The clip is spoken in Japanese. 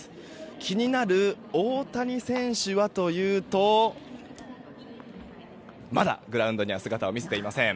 気になる大谷選手はというとまだグラウンドには姿を見せていません。